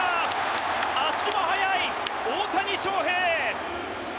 足も速い大谷翔平！